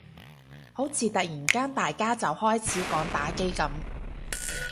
好似突然間大家就開始講打機噉